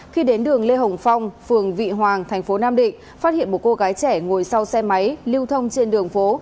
khi đến đường lê hồng phong phường vị hoàng thành phố nam định phát hiện một cô gái trẻ ngồi sau xe máy lưu thông trên đường phố